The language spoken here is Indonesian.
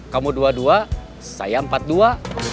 kamu dua dua saya empat dua